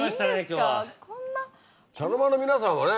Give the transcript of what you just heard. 茶の間の皆さんはね